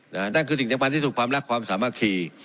น่ะนั่นคือสิ่งที่มันที่สุดความรักความสามารถคีย์